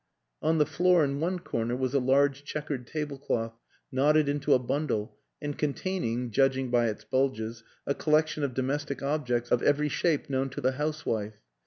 On the floor in one corner was a large checkered table cloth knotted into a bundle and containing, judg ing by its bulges, a collection of domestic objects of every shape known to the housewife.